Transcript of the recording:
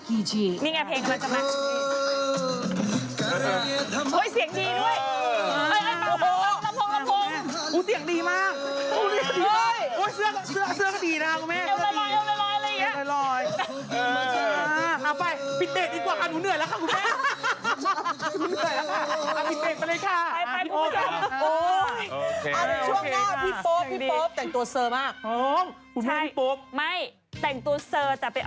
พี่วัลโอ้วเริ่มเล่นหูเล่นตากับหนูนะค้ะ